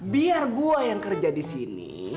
biar gua yang kerja disini